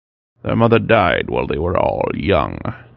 Their mother died while they were all young.